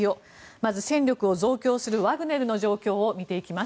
まず、戦力を増強するワグネルの状況を見ていきます。